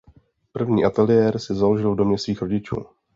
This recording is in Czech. První ateliér si založil v domě svých rodičů.